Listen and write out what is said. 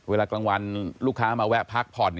เวลากลางวันลูกค้ามาแวะพักผ่อน